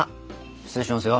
失礼しますよ。